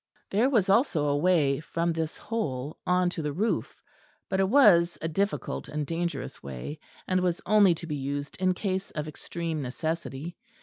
There was also a way from this hole on to the roof, but it was a difficult and dangerous way; and was only to be used in case of extreme necessity.